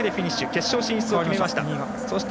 決勝進出を決めました。